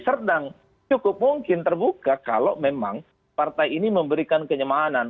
serdang cukup mungkin terbuka kalau memang partai ini memberikan kenyamanan